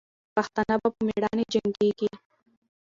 پښتانه به په میړانې جنګېږي.